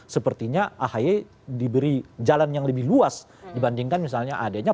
sepertinya ahy diberi jalan yang lebih luas dibandingkan misalnya adanya